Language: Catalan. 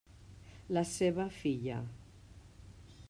La seva filla.